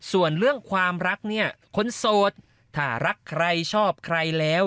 ส่วนเรื่องความรักเนี่ยคนโสดถ้ารักใครชอบใครแล้ว